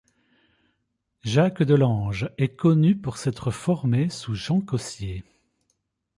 Jacques de l'Ange est connu pour s'être formé sous Jan Cossiers.